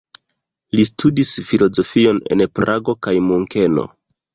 Li studis filozofion en Prago kaj Munkeno.